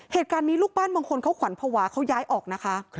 เหตุการณ์นี้ลูกบ้านบางคนเขาขวัญภาวะเขาย้ายออกนะคะ